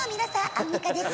アンミカです」